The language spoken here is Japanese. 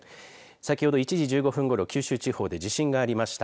先ほど１時１５分ごろ九州地方で地震がありました。